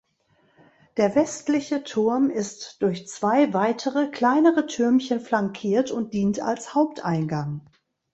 Der westliche Turm ist durch zwei weitere, kleinere Türmchen flankiert und dient als Haupteingang.